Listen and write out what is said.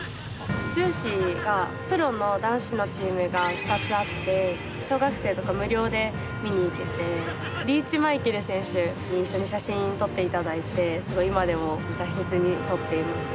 府中市にはプロの男子のチームが２つあって小学生とか無料で見に行けてリーチマイケル選手に一緒に写真撮っていただいて今でも大切に持っています。